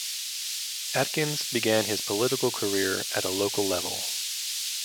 Atkins began his political career at a local level.